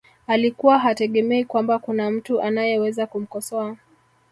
alikuwa hategemei kwamba kuna mtu anayeweza kumkosoa